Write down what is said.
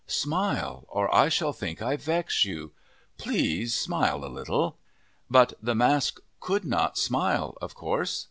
Smile, or I shall think I vex you. Please smile a little." But the mask could not smile, of course.